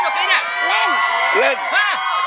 ตะว่าเล่นใช่ไหม